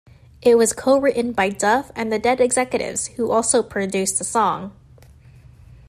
It was co-written by Duff and the Dead Executives, who also produced the song.